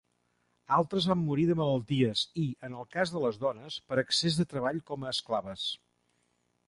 Altres van morir de malalties i, en el cas de les dones, per excés de treball com a esclaves.